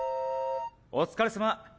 お疲れさま。